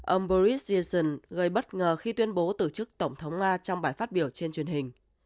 ông boris johson gây bất ngờ khi tuyên bố từ chức tổng thống nga trong bài phát biểu trên truyền hình